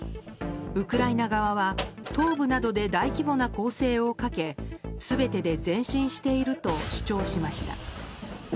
ウクライナ側は東部などで大規模な攻勢をかけ全てで前進していると主張しました。